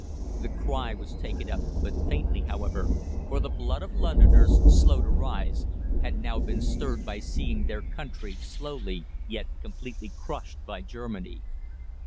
The cry was taken up but faintly, however, for the blood of Londoners, slow to rise, had now been stirred by seeing their country slowly yet completely crushed by Germany.